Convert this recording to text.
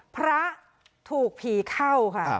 พระถูกผีเข้าค่ะ